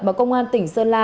mà công an tỉnh sơn la